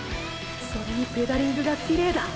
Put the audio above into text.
それにペダリングがきれいだ。